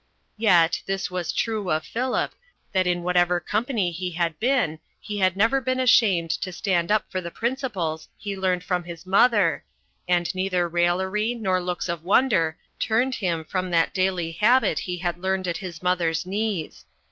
Yet, this was true of Philip, that in whatever company he had been he had never been ashamed to stand up for the principles he learned from his mother, and neither raillery nor looks of wonder turned him from that daily habit he had learned at his mother's knees.